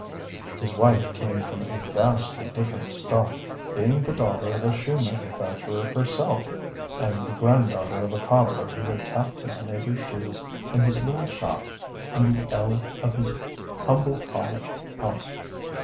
His wife came from a vastly different stock, being the daughter of a shoe manufacturer herself, and the granddaughter of a cobbler who had tapped his neighbor's shoes in his little shop in the L of his humble cottage house.